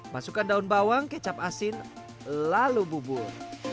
masukkan daun bawang kecap asin lalu bubur